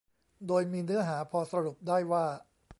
โดยมีเนื้อหาพอสรุปได้ว่า